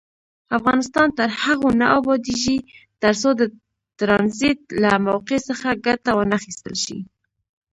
افغانستان تر هغو نه ابادیږي، ترڅو د ټرانزیټ له موقع څخه ګټه وانخیستل شي.